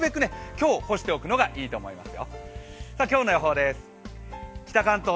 今日、干しておくのがいいと思います。